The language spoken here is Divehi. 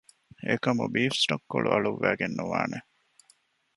އެކަމަކު ބީފް ސްޓޮކް ކޮޅު އަޅުއްވައިގެން ނުވާނެ